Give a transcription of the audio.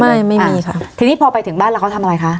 ไม่มีค่ะทีนี้พอไปถึงบ้านแล้วเขาทำอะไรคะ